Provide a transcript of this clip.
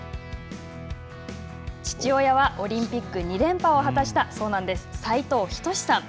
父親はオリンピック２連覇を果たしたそうなんです、斉藤仁さん。